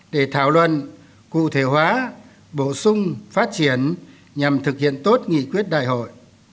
để thảo luận cụ thể hóa bổ sung phát triển nhằm thực hiện tốt nghị quyết đại hội